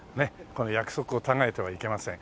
この約束をたがえてはいけません。